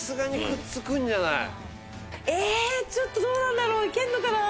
ええちょっとどうなんだろう？いけるのかな？